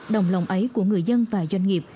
đồng lòng ấy của người dân và doanh nghiệp